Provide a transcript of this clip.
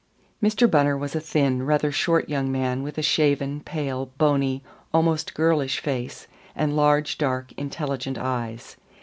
Mr. Bunner was a thin, rather short young man with a shaven, pale, bony, almost girlish face and large, dark, intelligent eyes.